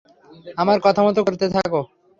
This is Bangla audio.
আমার কথামত করতে থাকো।